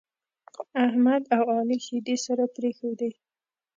احمد او عالي شيدې سره پرېښودې.